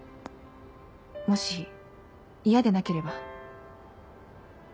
「もし嫌でなければ」。